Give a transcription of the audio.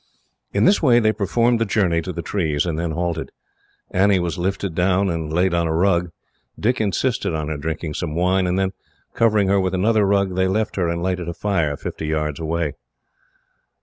In this way they performed the journey to the trees, and then halted. Annie was lifted down, and laid on a rug. Dick insisted on her drinking some wine, and then, covering her with another rug, they left her and lighted a fire, fifty yards away.